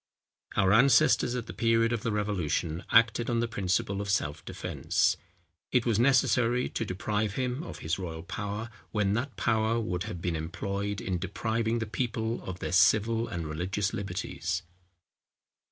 Our ancestors at the period of the revolution, acted on the principle of self defence. It was necessary to deprive him of his royal power, when that power would have been employed in depriving the people of their civil and religious liberties.